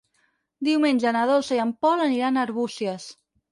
Diumenge na Dolça i en Pol aniran a Arbúcies.